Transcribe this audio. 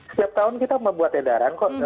setiap tahun kita membuat edaran kok